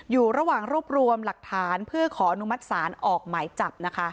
อยู่ระหว่างรวบรวมหลักฐานเพื่อขออนุมัติศาลออกหมายจับนะคะ